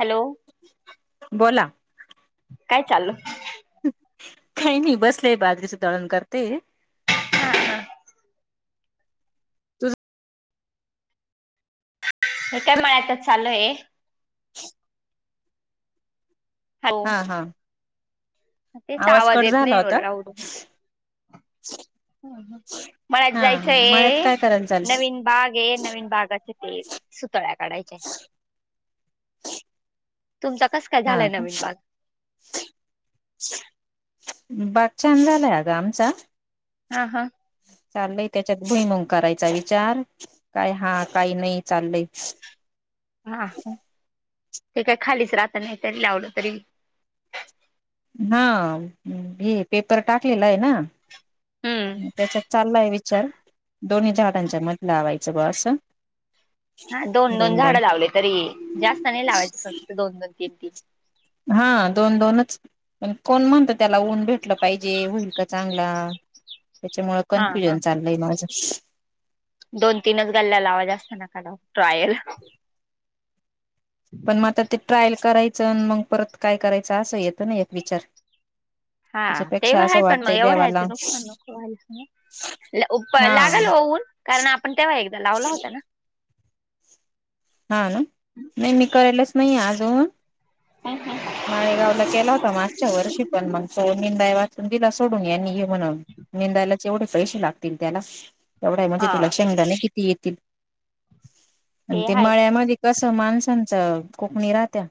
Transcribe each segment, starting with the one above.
Hello बोला काय चालल काही नाही बसलेय बाजरीचं दळण करते हे काय मायात चालय हॅलो हा हा तेच आवाज कट येत झाला नाही एढ होता राहव मलात हा जायचं मळ्यात आहे काय करायला चाललंय नवीन बाग े नवीन भागाचे ते सुतळ्या काढायच्या तुमचा कस काय हा झालाय का नवीन बाग भात छान झालाय ग आमचा हा हा चालय त्याच्यात भुईमंग करायचा विचार काय हा काही नाही चाललय हा ते काय खालीच राहत नाही तरी लावलं तरी हा भी पेपर टाकलेला आहे ना हम्म त्याच्यात चाललाय विचार दोन्ही जाडांच्या मध लावायचं बुवा असं हा दोन दोन झाडं लावले तरी जास्त नाही लावायचे फक्त दोन दोन तीन तीन हा दोन दोनच पण कोण म्हणत त्याला ऊन भेटलं पाहिजे होईल का चांगला त्याच्यामुळे हा हा कन्फ्युजन चाललंय माझं दोन तीनच गल्ल्याला आवाज असत नका ट्रायल पण मग आता ते ट्रायल करायचं मग परत काय करायचं असं येतं ना एक विचार हा त्याच्यापेक्षा तेव्हा असं आहे पण मग वाटतंय एवढं देवाला यायचं नुकसान नक व्हायच हा लागल होऊन कारण आपण तेव्हा एकदा लावला होता ना हा ना नाही मी करायलाच नाही आजऊ. हं हं. नाळेगावला केला होता मागच्या वर्षी. पण मग सो निंदाया वा तिला सोडून यांनी म्हणून निंदायला. जेवढे पैसे लागतील त्याला तेवढा मध्ये तुला हा शेंदाणे किती येतील. आणि ते मळ्यामध्ये कस माणसांच कोकणी राहत्या.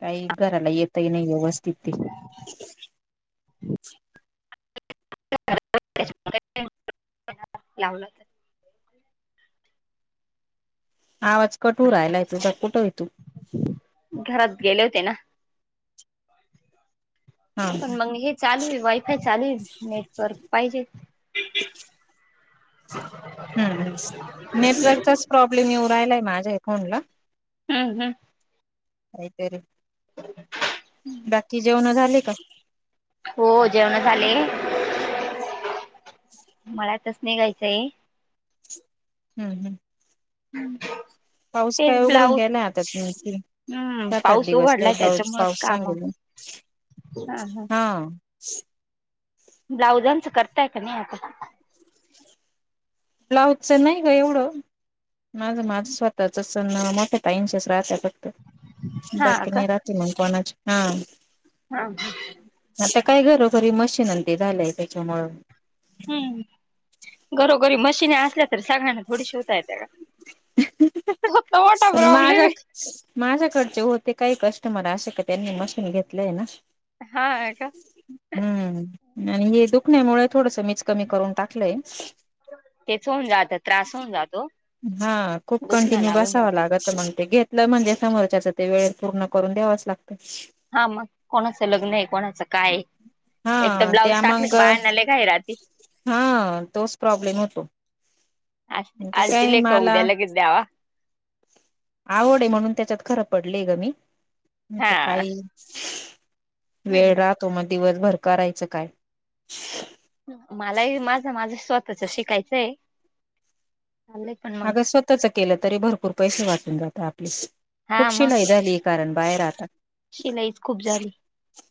काही कराला येतही नाही व्यवस्थित ते. [unintelligible] लावलं आवाज कट होऊ राहिला तुझा कुठे तू? घरात गेले होते ना. हा पण मग हे चालू आहे वायफाय चालू आहे नेटवर्क पाहिजे. हम्म नेटवर्कचा प्रॉब्लेम येऊ राहिलाय माझ्या फोनला. हम्म हम्म. काहीतरी [inaudible] बाकी जेवण झाले का? हो जेवण झाले मळ्यातच निघायचं आहे. हम्म हम्म. [inaudible] पाऊस काय तेच उघडून ब्लाऊज गेलाय आता [unintelligible] हम्म सात आठ पाऊस दिवस काही उघडलाय पाऊस त्याच्यामुळेच पाऊस काम सांगेल हा. ब्लाउजांच करताय कि नाही आता? ब्लाऊजच नाही ग एवढं माझं माझं स्वतःच सण मोठं ताईंशच राहत. हा बाकी का नाय रात मग कोणाच हा. हा. आता काय घरोघरी मशीनंंते झालंय त्याच्यामुळ हम्म घरोघरी मशीने असल्यात तर सांगाळ्यांना थोडी शिवता येतं का? मोठा तर प्रॉब्लेम माझा आहे. माझ्याकडचे होते काही कस्टमर असे का त्यांनी मशीन घेतलंय ना. हा अ का? हम्म आणि हे दुखण्यामुळ थोडस मीच कमी करून टाकलंय. तेच होऊन जात त्रास होऊन जातो हा खूप दुखन कंटिन्यू लागून बसावं जात. लागत मग ते घेतलं म्हणजे समोरच्याच ते वेळत पूर्ण करून द्यावाच लागत. हा मग कोणाचं लग्न आहे कोणाचं काय आहे. एक तर हा त्या ब्लाउज टाकली मग की बायांना लय घाई राहती. हा तोच प्रॉब्लेम होतो. आज म्हणजे आज काय दिले का मला उद्या लगेच द्यावा. आवड आहे म्हणून त्याच्यात खरं पडलेय ग मी तर हा काय. वेळ राहतो मग दिवस भर करायचं काय? मलाही माझं माझं स्वतःच शिकायचं आहे. अग स्वतःच केलं तरी भरपूर पैसे वाचून जातात आपली हा खूप मग शिलाई झालीये. कारण बाहेर राहातात. शिलाईच खूप झाली.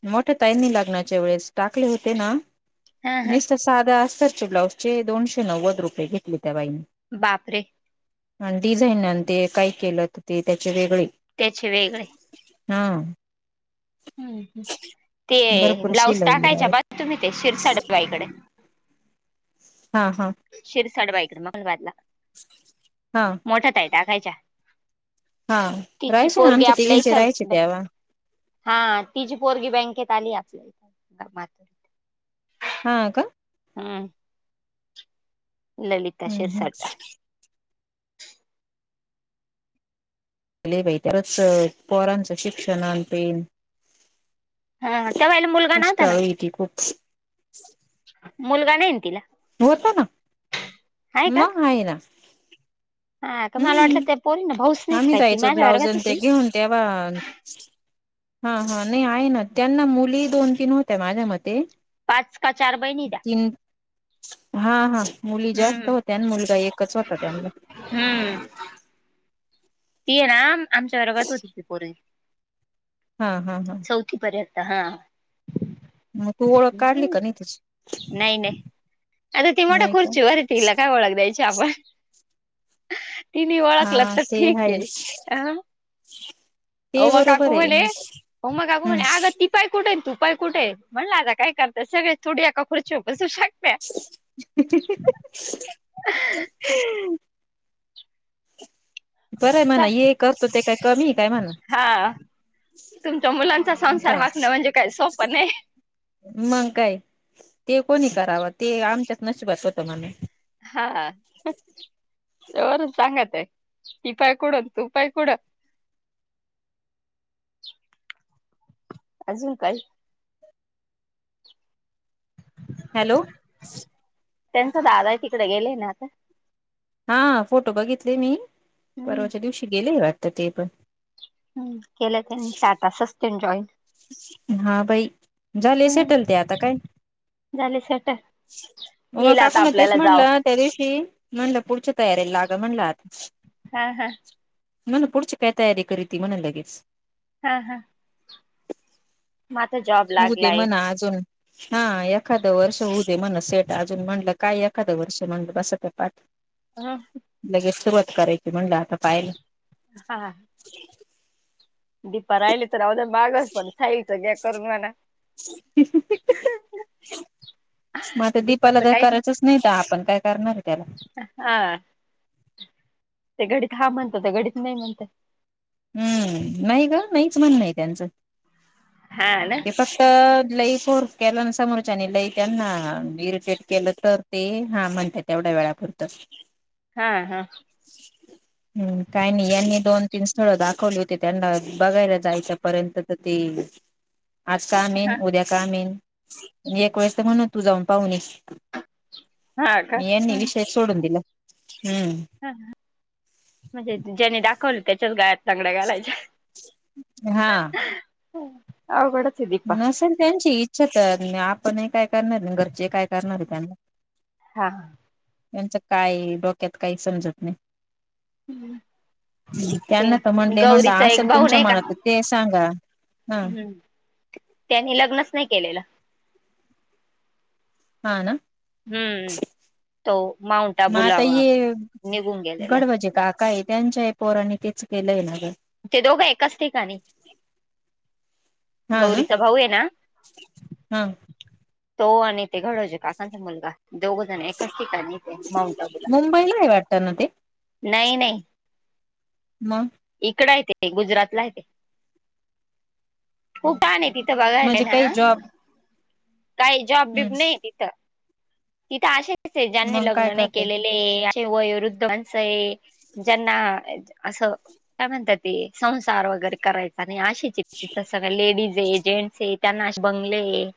मोठ्या ताईंनी लाग्नाच्या वेळेस टाकले होते ना हा हा निसत साध्या अस्तरच्या ब्लाउजचे दोनशे नव्वद रुपये घेतले त्या बाईने. बापरे! डिझाईनन ते काय केलं ते त्याचे वेगळे. त्याचे वेगळे. हा. ह् ते भरपूर ब्लाऊज शिलाई टाकायच्या ब तुम्ही ते शिरसाड बाईकडे. हा हा. शर सड बायकड मंगलवारला. हा. मोठ्या ताई टाकायच्या हा तिची राहायचे ना पोरगी आमच्या आपल्या तिघींचे इथं राहायचे त्यावा हा त जी पोरगी बँकेत आली आपल्या इथ कामात. हा का. रिकामा ऑडिओ ललिता हम्म शिरसाट. लय बाई त्याच पोरांचं शिक्षण आणि तें. हा त्या बाईला मुलगा नव्हता ना. कष्टाळू येते खूपसं. मुलगा नाहीं ना तिला. होत ना. आहे का [unintelligible] हा का मला वाटलं त्या पोरी ना भाऊच हम्म नाही आम्ही काय ती जायचो माझ्या वर्गात ब्लाउजन ते होती घेऊन. तेव्हा... हा हा नाही आहे ना त्यांना मुली दोन तीन होत्या माझ्या मते. पाच. का चार बाई. तीन. हा हा मुली जास्त हम्म होत्या आणि मुलगा एकच होता त्यांनला. हम्म ती आहे ना आमच्या बरोबत होती ती पोर. हा हा हा. [unintelligible] पर्यंत. हा. मग तू ओळख काढली का तिची नाही नाही. आता ती मोठं नाही का खुर्च वर तीला काय ओळख दयची आपण? तिने हा ओळखलं तर ठीक आहे अ. रिकामा ऑडिओ उमा काकू म्हणे उमा काकू हम्म म्हणे आग ती.. तुपाय कुठे तुपाय कुठे आहे म्हणला आता काय करणार सगळे थोडी एका खुर्चीव बसू शकत रिकामा ऑडिओ रिकामा ऑडिओ बरंय म्हणा ये करतो ते काय कमी काय म्हणा. हा तुमच्या मुलांचा संसार अच्छा हाकणं म्हणजे काय सोप नाही. मग काय ते कोणी करावं ते आमच्यात नशिबात होतं म्हणा. हावरून सांगत आहे ती पाय कुडून तू पाय कुड अजून काही.. हॅलो. त्यांचा दादा तिकडे गेले ना. हा फोटो बघितले मी हम्म परवाच्या दिवशी गेले आता ते पण. हम् केलं त्यांनी [unintelligible] हा बाई झाले हम्म सटेल ते आता काय? झाले सेटल म म येईल काक आता ना तेच आपल्याला जाव म्हणलं. त्या दिवशी म्हणलं पुढच्या तयारीला लागं म्हणलं आता. हा हा. म्हन पुढची काय तयारी करी त म्हणा लगेच. हा हा माझा जॉब होऊ दे लागलाय म्हणा अजून, हा एखादं वर्ष होऊ दे म्हणा सेट- अजून म्हणलं काय एखादं वर्ष म्हणलं बस ते पाठ हा लगेच सुरुवात करायची म्हणलं आता काय - हा. हा. दीपा राहिली तर राहूद्या मागच पण साईच घ्या करून म्हणा. रिकामा ऑडिओ मग आता दीपाला तर करायचंच नाही तर आपण काय करणार त्याला? हा ते घडीत हा म्हणत ते घडीत नाही म्हणत. हम्म नाही का नाहीच म्हण आहे त्यांचं. हा ना ते फक्त लई फोर्स केल्या ना समोरच्याने आणि लई त्यांना इरिटेट केलं तर - ते हा म्हणजे तेवढ्या वेळापुरतं ते - हा हा हम्म काही नाही यांनी दोन तीन स्थळ दाखवले होते त्यांना बघायला जायच्या पर्यंत तर ते - आज काय मेन उद्या काय मेन, एक वेळेस म्हणू तू जाऊन पाहून हा का ये - यांनी विषय सोडून दिला. हम्म - ह म्हणजे ज्याने दाखवलं त्याच्याच गाडीत - चांगल्या घालायच्या हा अ आ अवघडच आहे की - नसेल त्यांची इच्छा तर आपणही काय करणार, नाही घरचे काय करणार त्यांना- हा हा त्यांचं काय डोक्यात काही समजत नाही. ते त्यांना तर म्हणले, म्हटलं गौरीचा एक असेल भाऊ तुमच्या नाही का मनात तर - ते सांगा. हा हम्म, त्यांनी लग्नच नाही केलेलं. हा ना. हम्म तो माउंट मग आबूला आता हे निघून गेलेला गड म्हणजे काय का आहे त्यांच्या- पोरनी तेच केलंय ना गं ते दोघं एकाच ठिकणी- गौरीचा भाऊ आहे ना- हम तो आणि ते घडवचे काकांचा मुलगा- दोघजण एकाच ठिकाणी होते. माऊंट आबूला, मुंबईला आहे वाटत ना ते नाही नाही मग इकड आहे ते गुजरातला आहे ते खूप छान आहे तिथं बघायलाय म्हणजे ना काही - जॉब काही जॉब बिब नाही तिथं, तिथं असेच आहे ज्यांनी मग काय लग्न नाही करते केलेल. ते असं वयोवरद्ध ज्यांना असं - काय म्हणतात ते, संसार वगैरे करायचा नाही असेच आहेत तिथं सगळ लेडीज आहे जेंट्स आहेत. त्यांना अशे बंगले ए,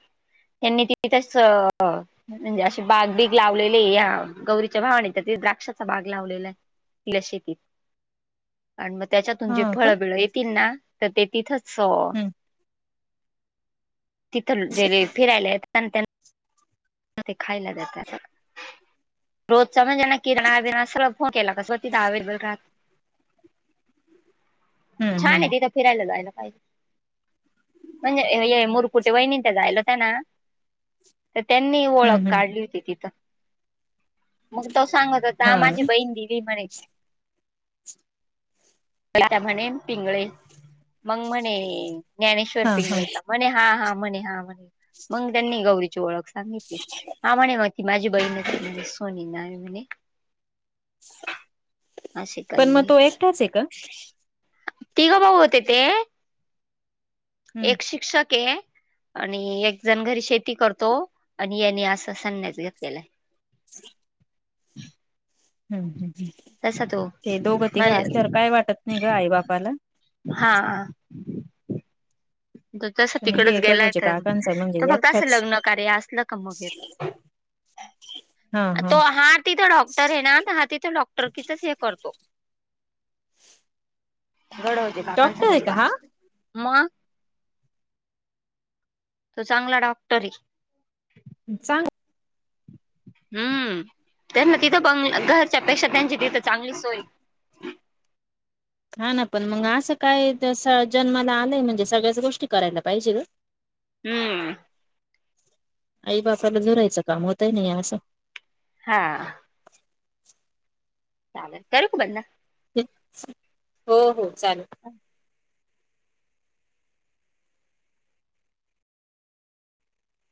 त्यांनी तिथेच... अंस - म्हणजे अशे बाग बीग लावलेली आहे, गौरीच्या भावाने तर तिथं द्राक्षाची बाग लावलेला ये [unintelligible] शेतीत आणि मग त्याच्यातून हा जे का फळं-बीळं येतील ना, तर ते तिथंच हम्म तिथं जे फिरायला येतात ना त्यांना ते खायला देतात रोजचा म्हणजे ना किराणा-बीराना, सगळं फोन केला का की सगळं तिथं अवेलेबल राहतं हम्म छान ए हम्म तिथं फिरायला जायला पाहिजे म्हणजे हे मुरकुटे वहिनी ते जायला त्या ना तर त्यांनी ओळख हम्म हम्म काढली होती तिथं मग तो सांगत होता माझी हा बहीण दिली म्हणे त्या म्हणे पिंगळे मग म्हणे ज्ञानेश्वर हा हा पिंगळे का म्हणे हा हा म्हणे हा म्हणे मग त्यांनी गौरीची ओळख सांगितलं, हा म्हणे मग ती माझी बहिणच ए, सोनी नाव आहे म्हणे असे पण काही मग तो आहे एकटाच आहे का? तिघं भाऊ होते ते हम्म एक शिक्षक ए आणि एक जण घरी शेती करतो आणि याने असा संन्यास घेतलेलाय. [unintelligible] [inaudible] हम्म हम्म आहे तसा तो ते दोघं तिघं असल्यावर काय वाटत नाही ग आई बापाला हा तो तसं पण तिकडंच हे गेलाय गडूचे तर काकांचा म्हणजे तो फक्त असं एकटाच लग्न कार्य असलं का मग येतो तो हा तिथं डॉक डाॅक्टर आहे ना तर हा तिथं डॉक्टरकीचच हे करतो घडवतो काकांचा डॉक्टर आहे का मुलगा हा? मग तो चांगला डॉक्टर आहे चांग हम्म त्यांना तिथं बंगला घरच्या पेक्षा त्यांची तिथं चांगली सोय आहे हा ना पण मग असं काय जन्माला आलंय म्हणजे सगळ्याच गोष्टी करायला पाहिजे गं हम्म आई बापाला झुरायचं काम होतय नी हे असं हा चालल करू का बंद? हो हो चालेल [inaudible]